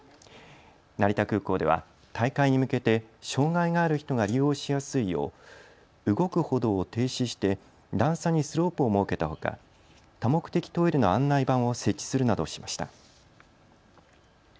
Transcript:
成田空港では大会に向けて障害がある人が利用しやすいよう動く歩道を停止して段差にスロープを設けたほか多目的トイレの案内板を設置するなどしました。